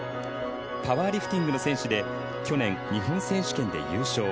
パワーリフティングの選手で去年、日本選手権で優勝。